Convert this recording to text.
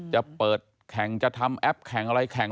จะเปิดแข่งจะทำแอปแข่งอะไรแข่ง